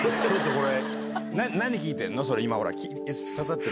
これ？